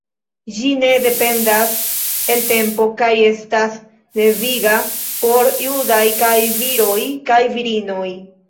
Ĝi ne dependas el tempo kaj estas deviga por judaj kaj viroj kaj virinoj.